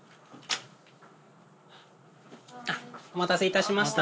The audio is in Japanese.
お待たせいたしました。